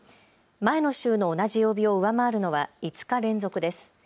前の週の同じ曜日を上回るのは５日連続です。